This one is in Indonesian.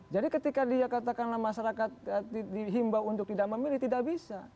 jadi ketika dia katakanlah masyarakat dihimbau untuk tidak memilih tidak bisa